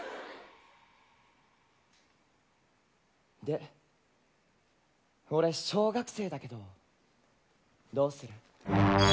で、俺小学生だけどどうする？